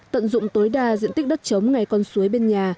tận dụng tối đa diện tích đất chống ngay con suối bên nhà